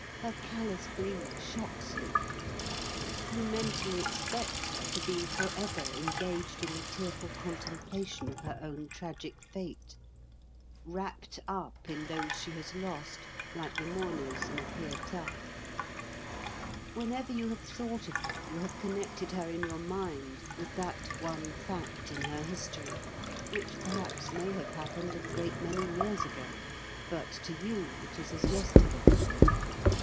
Her callous glee shocks you. You mentally expect her to be forever engaged in the tearful contemplation of her own tragic fate; wrapt up in those she has lost, like the mourners in a Pietà. Whenever you have thought of her, you have connected her in your mind with that one fact in her history, which perhaps may have happened a great many years ago. But to you, it is as yesterday.